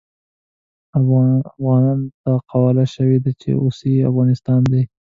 افغانانو ته قواله شوې ده چې اوس يې افغانستان دی.